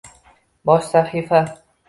Bosh sahifa